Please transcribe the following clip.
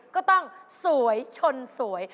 ก็ต้องสวยชนสวย